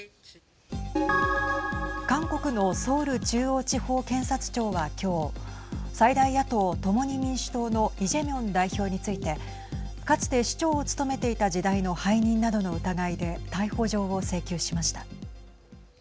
韓国のソウル中央地方検察庁は今日最大野党、共に民主党のイ・ジェミョン代表についてかつて市長を務めていた時代の背任などの疑いで逮捕状を請求しました。